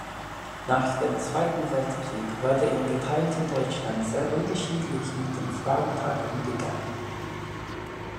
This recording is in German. Nach dem Zweiten Weltkrieg wurde im geteilten Deutschland sehr unterschiedlich mit dem Frauentag umgegangen.